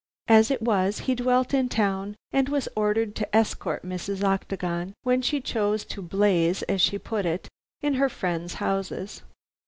As it was, he dwelt in town and was ordered to escort Mrs. Octagon when she chose to "blaze," as she put it, in her friends' houses.